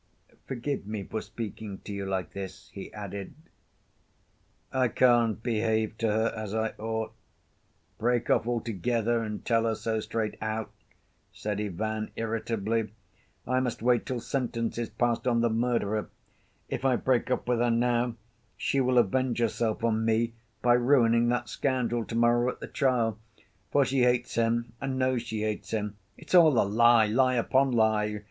Forgive me for speaking to you like this," he added. "I can't behave to her as I ought—break off altogether and tell her so straight out," said Ivan, irritably. "I must wait till sentence is passed on the murderer. If I break off with her now, she will avenge herself on me by ruining that scoundrel to‐morrow at the trial, for she hates him and knows she hates him. It's all a lie—lie upon lie!